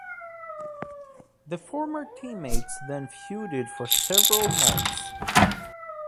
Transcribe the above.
The former teammates then feuded for several months.